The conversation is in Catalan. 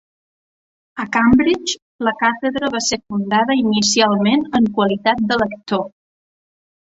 A Cambridge la càtedra va ser fundada inicialment en qualitat de lector.